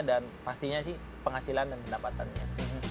dan pastinya sih penghasilan dan pendapatannya